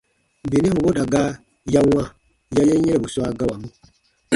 Benɛn wooda gaa ya wãa ya yen yɛ̃robu swa gawamɔ.